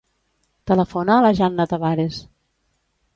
Telefona a la Janna Tabares.